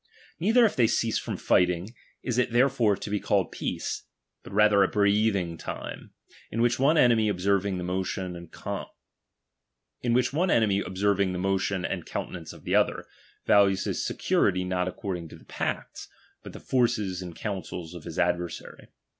Neither if they cease from fighting, is it therefore to be called peace ; but rather a breathing time, in which one enemy observing the motion and coun tenance of the other, values his security not ac cording to the pacts, but the forces and counsels of his adversary.